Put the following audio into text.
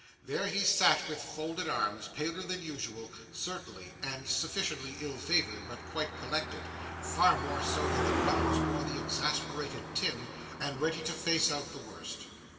There he sat, with folded arms; paler than usual, certainly, and sufficiently ill favoured, but quite collected far more so than the brothers or the exasperated Tim and ready to face out the worst.